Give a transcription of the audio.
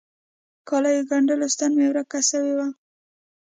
کاليو ګنډلو ستن مي ورکه سوي وه.